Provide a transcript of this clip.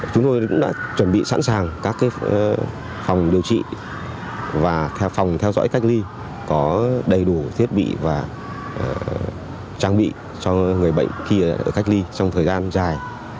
chúng tôi cũng đã chuẩn bị sẵn sàng các phòng điều trị và theo phòng theo dõi cách ly có đầy đủ thiết bị và trang bị cho người bệnh khi cách ly trong thời gian dài